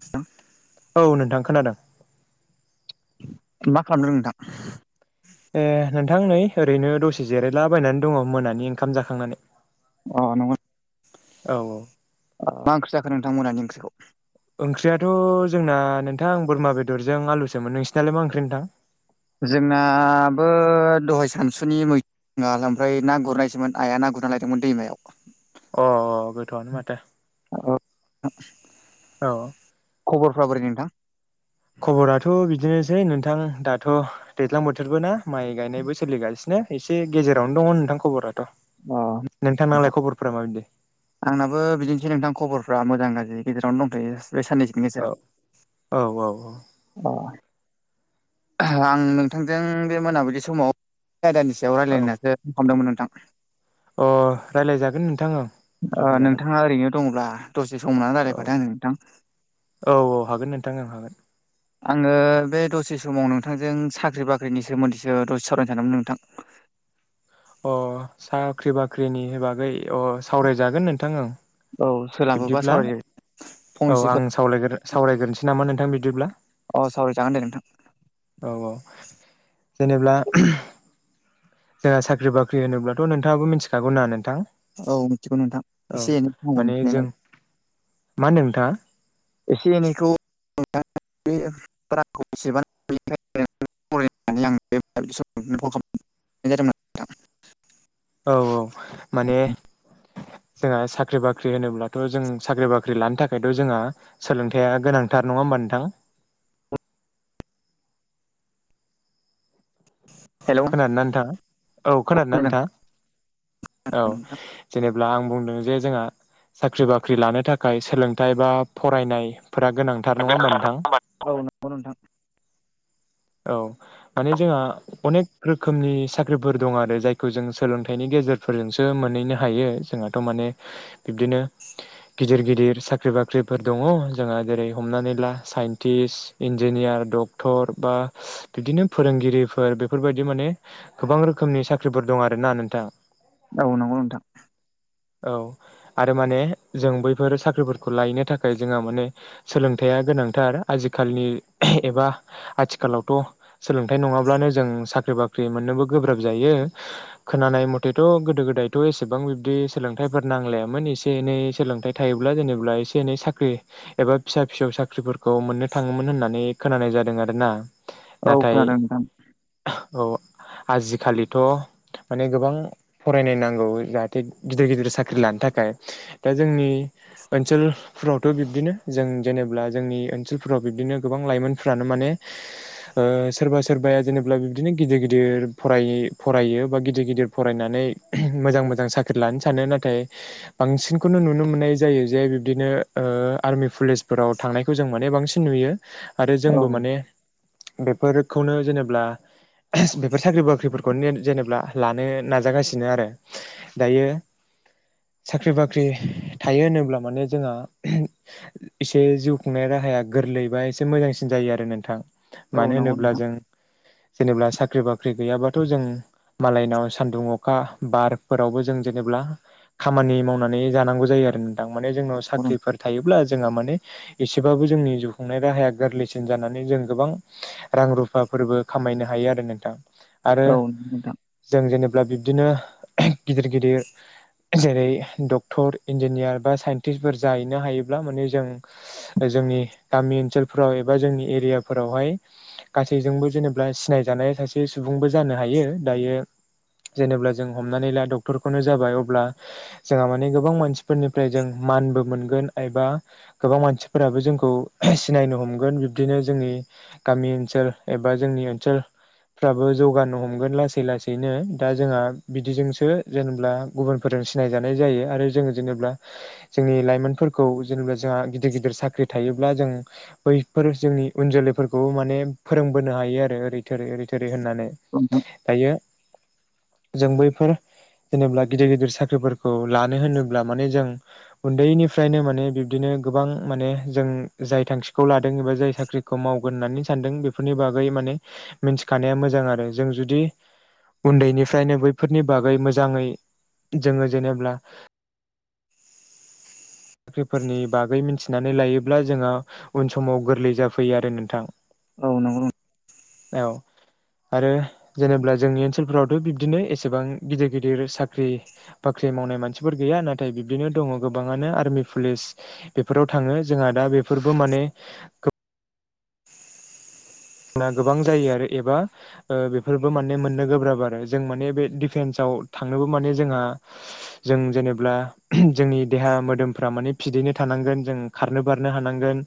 ह औ नोंथां खोनादों मा खालामदों नोंथां? ए नोंथां नै ओरैनो दसे जिरायलाबायनानै दङ मोनानि ओंखाम जाखांनानै। अ नंगौ औ औ मा ओंख्रि जाखो नोंथांमोनहानि ओंख्रिखौ? ओंख्रियाथ' जोंना नोंथां बोरमा बेदरजों आलुसोमोन नोंसिनालाय मा ओंख्रि नोंथां जोंनाबो दहाय सानसुनि मै ओमफ्राय ना गुरनायसोममोन आइया ना गुरना लायदोंमोन दैमायाव अ अ गोथ'आनो माथो औ खबरफ्रा बोरै नोंथां खबराथ' बिदिनोसै नोंथां दाथ' दैज्लां बोथोरबो ना माइ गायनायबो सोलिगासिनो एसे गेजेरावनो दङ नोंथां खबराथ' अ नोंथां नांलाय खबरफफोरा माबायदि आंनाबो बिदिनोसै नोंथां खबरफ्रा मोजां गाज्रि गेजेरावनो दंथ'यो बे साननसो औ औ औ औ अ आं नोंथांजों बे मोनाबिलि समाव आयदानि सायाव औ रायज्लायनायसो बुं खालामदोंमोन नोंथां अ रायज्लायजागोन नोंथाङा नोंथाङा ओरैनो दङब्ला दसे सम मोननानै औ रायल्लायफादो आंजों नोंथां औ औ हागोन नोंथां आं हागोन आङो बे दसे समाव नोंथांजों साख्रि बाख्रिनि सोमोन्दैसो दसे सावरायनो सानदोंमोन नोंथां अ साख्रि बाख्रिनि बागै अ सावरायजागोन नोंथां औ सोलाबोबा बिब्दिब्ला सावरायदो औ फंनैसोफोर आं साव सावरायग्रोनोसै नामा नोंथां बिब्दिब्ला अ सरि जागोन दे नोंथां औ औ जेनेब्ला जोंहा साख्रि बाख्रि होनोब्लाथ' नोंथाङाबो मिनथिखागौ ना नोंथां औ मिथिगौ नोंथां औ एसे एनैनांगौ माने जों मिथिनायलाय मा होन्दों नोंथाङा एसे एनैखौ रांखौ बेसेबां फरायनानै आ बे खालाम जादोंमोन नोंथां औ औ माने जोंहा साख्रि बाख्रि होनोब्लाथ' जों साख्रि बाख्रि लानो थाखायथ' जोंहा सोलोंथाइआ गोनांथार नङा होमबा नोंथां हेलौ खोनादोंना नथाङा औ खोनादोंना नथाङा औ नोंथां। जेनेब्ला आं बुंदों जे जोंहा साख्रि बाख्रि लानो थाखाय सोलोंथाइ बा फरायनायफोरा गोनां थार नङा होमबा नोंथां औ नंगौ नोंथां औ माने जोंहा अनेक रोखोमनि साख्रिफोर दं आरो जायखौ जों सोलोंथाइनि गेजेरफोरजोंसो मोनहैनो हायो जोंहाथ' माने बिब्दिनो गिदिर गिदिर साख्रि बाख्रिफोर दङ जोंहा जेरै हमनानै ला साइन्टिस्ट इन्जिनियार डक्टर बा बिदिनो फोरोंगिरिफोर बेफोरबायदि बिदि माने गोबां रोखोमनि साख्रिफोर दं आरो ना नोंथां औ नोंगौ नोंथां। औ आरो माने जों बैफोर साख्रिफोरखौ लायनो थाखाय जोंहा माने सोलोंथाइया गोनांथार आजिखालनि एबा आथिखालावथ' सोलोंथाइ नङाब्लानो जों साख्रि बाख्रि मोननोबो गोब्राब जायो। खोनानाय मथेथ' गोदो गोदायथ' एसेबां बिब्दि सोलोंथाइफोर नांलायामोन एसे एनै सोलोंथाइ थायोब्ला जेनेबा एसे एनै साख्रि एबा फिसा फिसौ साख्रिफोर खौ मोननो थाङोमोन होननानै खोनानाय जादों आरोना औ नाथाय खोनादों नोंथां औ आजिखालिथ' माने गोबां फरायनाय नांगौ जाहाथे गिदिर गिदिर साख्रि लानो थाखाय दा जोंनि पेन्सिल फ्रोरावथ' बिब्दिनो जों जेनेब्ला जोंनि ओनसोलफोराव बिब्दिनो गोबां लाइमोनफ्रानो माने ओ सोरबा सोरबाया जेनेब बिदिनो गिदिर-गिदिर फरायै फरायो बा गिदिर-गिदिर फरायनानै मोजां-मोजां साख लानो सानो नाथाय बांसिनखौनो नुनो मोननाय जायो जे बिब्दिनो ओ आर्मि पुलिसफोराव थांनायखौ जों माने बांसिन नुयो आरो औ जोंबो माने बेफोरखौनो जेनेब्ला बेफोर साख्रि बाख्रिफोरखौ नेथ जेनेबा लानो नाजागासिनो आरो। दायो साख्रि बाख्रि थायो होनोब्ला माने जोंहा एसे जिउ खुंनाय राहाया गोरलैबा एसे मोजांसिन जायो आरो नोंथां। औ मानो नंगौ होनोब्ला नोंथां जों जेनेबा साख्रि बाख्रि गैयाबाथ' जों मालायनाव सान्दुं अखा बारफोरावबो जों जेनेब्ला खामानि मावनानै जानांगौ जायो आरो नोंथाऊ माने जोंनाव साख्रिफोर थायोब्ला जोंहा माने एसेबाबो जोंनि जिउ खुंनाय राहाया गोरलैसिन जानानै जों गोबां रां रुफाफोरबो खामायनो हायो आरो नोंथां। आरो औ नोंथां जों जेनेबा बिब्दिनो गिदिर-गिदिर जेरै डक्टर इन्जिनियार बा साइन्टिसफोर जाहैनो हायोब्ला माने जों जोंनि गामि ओनसोलफोराव एबा जोंनि एरियाफोरावहाय गासैजोंबो जेने ब्ला सिनायजानाय सासे सुबुंबो जानो हायो। दायो जेनेब्ला जों हमनानै ला डक्टरखौनो जाबाय अब्ला जोंहा माने गोबां मानसिफोरनिफ्राय जों मानबो मोनगोन एबा गोबां मानसिफोराबो जोंखौ सिनायनो हमगोन बिब्दिनो जोंनि गामि ओनसोल एबा जोंनि ओनसोल फ्राबो जौगानो हमगोन लासै लासैनो दा जोंहा बिदिजोंसो जेनेब्ला गुबुनफोरजों सिनायजानाय जायो आरो जोङो जेनेबा जोंनि लाइमोनफोर खौ जेनेबा जोंहा गिदिर-गिदिर साख्रि थायो। ब्ला जों बैफोर जोंनि उन जोलैफोरखौ माने फोरोंबोनो हायो आरो ओरै थोरै ओरै थो रै होननानै औ दायो जों बैफोर जेनेबा गिदिर-गिदिर साख्रिफोरखौ लानो होनोब्ला माने जों उन्दैनिफ्रायनो माने बिब्दिनो गोबां माने जों जाय थांखिखौ लादों एबा जाय साख्रि खौ मावगोन होननानै सानदों बेफोरनि बागै माने मिथिखानाया मोजां आरो जों जुदि उन्दैनिफ्रायनो बैफोरनि बागै मोजाङै जोङो जेनेब्ला साख्रिफोरनि बागै मिथिनानै लायोब्ला जोंहा उन समाव गोरलै जाफैयो आरो नोंथां। औ नंगौ नों- औ। आरो जेनेबा जोंनि ओनसोलफोरावथ' बिब्दिनो एसेबां गिदिर-गिदिर साख ख्रि बाख्रि मावनाय मानसिफोर गैया नाथाय बिब्दिनो दङ गोबाङानो आर मि पुलिस बेफोराव थाङो जोंहा दा बेफोरबो माने गोब ना गोबां जायो आरो एबा ओ बेफोरबो माने मोननो गोब्राब आरो जों माने बे दिफेन्साव थांनोबो माने जोंङा जों जेनेब्ला जोंनि देहा मोदोमफ्रा माने फिदैनो थानांगोन जों खारनो बारनो हानांगोन।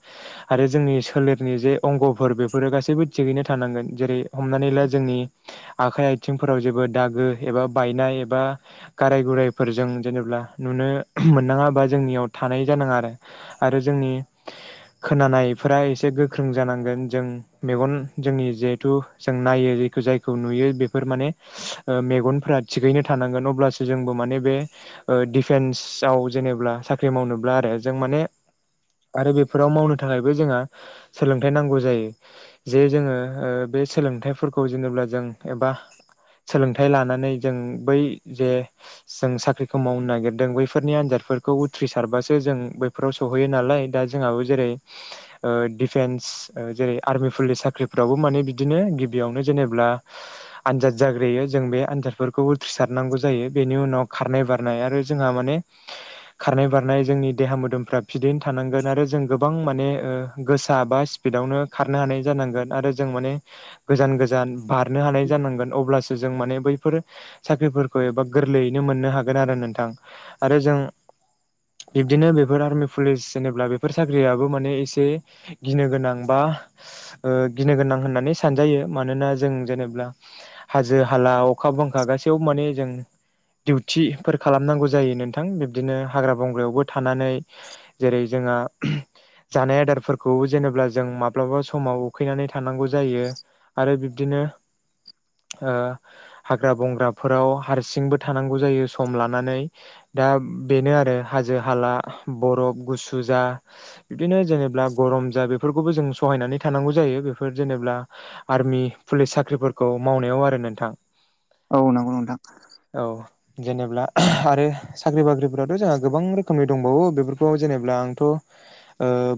आरो जोंनि सोलेरनि जे अंग'फोर बेफोरो गासै सैबो थिगैनो थानांगोन जेरै हम आखाय आथिंफोराव जेबो दागो एबा बायनाय एबा गाराय गुरायफोरजों जेनेबा नुनो मोननाङा बा जोंनियाव थानाय जानाङा आरो। आरो जोंनि खोनानायफोरा एसे गोख्रों जानांगोन जों मेगन जोंनि जिहेथु जों नायो ज जायखौ नुयो बेफोर माने मेगनफोरा थिगैनो थानांगोन अब्लासो जोंबो माने बे डिफेन्सआव जेनेबा साख्रि मावनोब्ला आरो जों माने आरो बेफोराव मावनो थाखायबो जोंहा सोलोंथाय नांगौ जायो जे जोङो बे सोलोंथाइफोरखौ जेनेब्ला जों एबा सोलोंथाइ लानानै जों बै जे जों साख्रिखौ मावनो नागिरदों बैफोरनि आनजादफोरखौ उथ्रिसारबासो जों फोराव सहैयो नालाय दा जोंहाबो जेरै दिफेन्स जेरै आर्मिफोरनि साख्रिफ्रावबो माने बिदिनो गिबियावनो जेनेब्ला आनजाद जाग्रोयो जों बे आनजादफोरखौ उथ्रिसारनांगौ जायो बेनि उनाव खारनाय बारनाय आरो जोंहा माने खारनाय बारनाय जोंनि देहा मोदोमफ्रा फिडैनो थानांगोन आरो जों गोबां माने गोसा बा स्पिडआवनो खारनो हानाय जानांगोन आरो जों माने गोजान गोजान बारनो हानाय जानांगोन अब्लासो जों माने बैफोर साख्रिफोरखौ एबा गोरलैयैनो मोननो हागोन आरो नोंथां। आरो जों बिब्दिनो बेफोर आर्मि पुलिस जेनेब्ला बेफोर साख्रियाबो माने एसे गिनो गोनां बा ओ गिनो गोनां होननानै सानजायो मानोना जों जेनेब्ला हाजो हाला अखा बांखा गासैयावबो माने जों दिडिउटिफोर खालामनांगौ जायो नोंथां बिब्दिनो हाग्रा बंग्रायावबो थानानै जेरै जोंहा जानाय आदारफोरखौ जेनेब्ला जों माब माब्लाबा समाव उखैनानै थानांगौ जायो आरो बिब्दिनो ओ हाग्रा बंग्राफोराव हारसिंबो थानांगौ जायो सम लानानै। दा बेनो आरो। बिदिनो जेनेबा गरम जा बेफोरखौबो जों सहायनानै थानांगौ जायो बेफोर जेनेब्ला आर्मि पुलिस साख्रिफोरखौ मावनायाव आरो नोंथां। औ नोंगौ नोंथां। औ जेनेब्ला आरो साख्रि बाख्रिफोराथ' जोंहा गोबां रोखोमनि दंबावो बेफोरखौ जेनेब्ला आंथ' ओ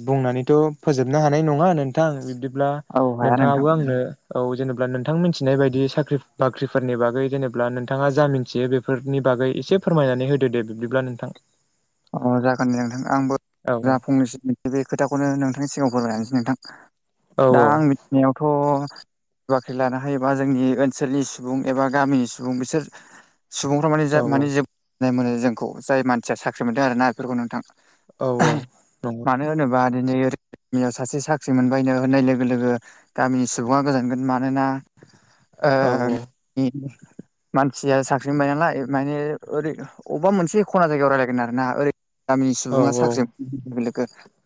बुंनानैथ' फोजोबनो हानाय नङा नोंथां बिब्दिब्ला औ हाया नोंथां नोंथाङाबो आंनो औ जेनेबा नोंथां मिथिनाय बायदि साख्रि बाख्रिफोरनि बागै जेनेबा नोंथाङा जा मिन्थियो बे फोरनि बागै एसे फोरमायनानै होदो दे बिब्दिब्ला नोंथां। [inaudible] [unintelligible] अ जागोन दे नोंथां आंबो औ जा फंनैसो मोनथियो बे खोथाखौनो नोंथांनि सिगाङाव फोरमायना होनोसै नोंथां। औ दा आं मिथिनायावथ' बाख्रि लानो हायोबा जोंनि ओनसोलनि सुबुं एबा गामिनि सुबुं बिसोर सुबुंफ्रा माने जा औ माने जोबनाय मोनो जोंखौ जाय मानसिया साख्रि मोनदों आरोना बेफोरखौ नोंथां। औ औ नंगौ मानो नोंथां होनोबा [unintelligible] निया सासे साख्रि मोनबायनो होननाय लोगो लोगो गामिनि सुबुङा गोजानगोन मानोना औ ओ मानसिया साख्रि मोनबाय नालाय माने ओरै अबेबा मोनसे खना जायगायाव रायलाय जोगोन आरो ना ओरै गामिनि औ सुबुङा औ साख्रि लोगो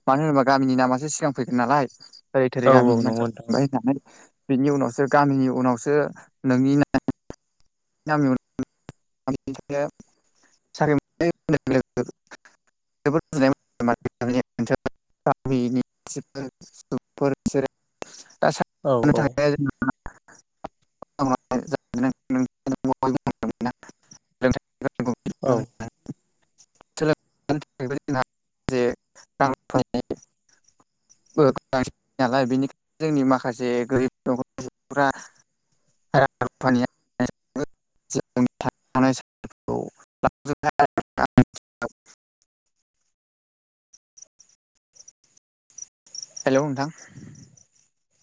मानो होनोबा गामिनि नामासो सिगां फैगोन नालाय ओरै थोरै औ गामिनि नंगौ मानसिफोर नोंथां थबाय होननानै [unintelligible] नो साख्रि मोननाय जोबोद गोजोननाय मोनो [unintelligible] गामिनि सुबुंफोर बिसोरो दा स औ औ थांनो जों औ [unintelligible] सोलों जों जे रां गोनांसि नालाय बेनिखायनो जोंनि माखासे गोरिब न'खरफ्रा [unintelligible] हेल' नोंथां।